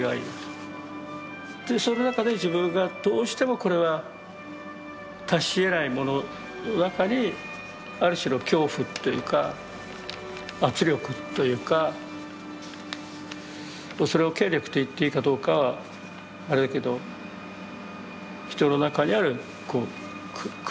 その中で自分がどうしてもこれは達しえないものの中にある種の恐怖というか圧力というかそれを権力と言っていいかどうかはあれだけど人の中にある苦しみ。